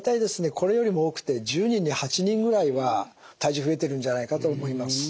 これよりも多くて１０人に８人ぐらいは体重増えてるんじゃないかと思います。